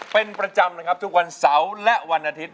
เป็นประจำนะครับทุกวันเสาร์และวันอาทิตย